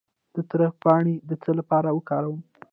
د تره پاڼې د څه لپاره وکاروم؟